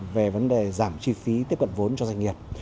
về vấn đề giảm chi phí tiếp cận vốn cho doanh nghiệp